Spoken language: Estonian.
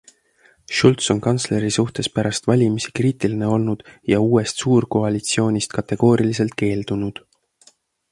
Schulz on kantsleri suhtes pärast valimisi kriitiline olnud ja uuest suurkoalitsioonist kategooriliselt keeldunud.